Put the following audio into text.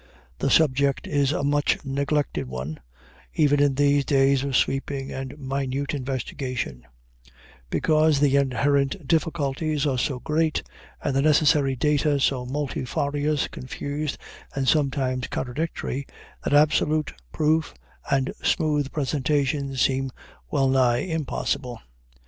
The subject is a much neglected one, even in these days of sweeping and minute investigation, because the inherent difficulties are so great, and the necessary data so multifarious, confused, and sometimes contradictory, that absolute proof and smooth presentation seem well nigh impossible.